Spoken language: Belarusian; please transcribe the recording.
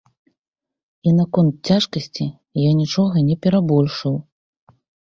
І наконт цяжкасці я нічога не перабольшыў.